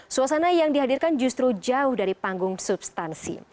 suasana yang dihadirkan justru jauh dari panggung substansi